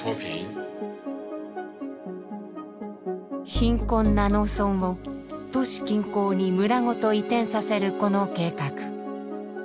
貧困な農村を都市近郊に村ごと移転させるこの計画。